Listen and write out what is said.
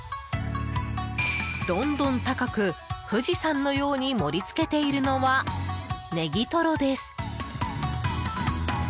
どんどん高く、富士山のように盛り付けているのはネギトロです。